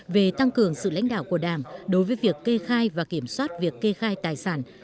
về tăng cường sự lãnh đạo của đảng đối với việc kê khai và kiểm soát việc kê khai tài sản